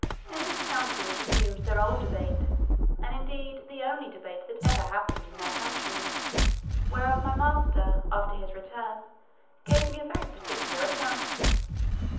In this council was resumed their old debate, and indeed the only debate that ever happened in their country; whereof my master, after his return, gave me a very particular account.